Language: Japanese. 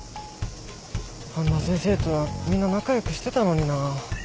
半田先生とはみんな仲良くしてたのになあ。